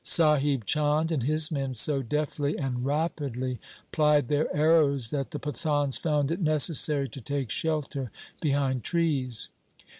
Sahib Chand and his men so deftly and rapidly plied their arrows that the Pathans found it necessary to take shelter behind trees.